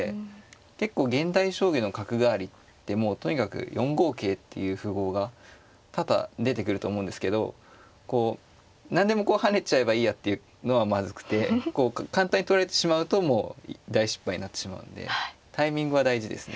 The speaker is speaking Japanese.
結構現代将棋の角換わりってもうとにかく４五桂っていう符号が多々出てくると思うんですけど何でもこう跳ねちゃえばいいやっていうのはまずくて簡単に取られてしまうともう大失敗になってしまうんでタイミングは大事ですね。